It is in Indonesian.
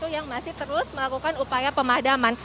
yang masih terus melakukan upaya pemadaman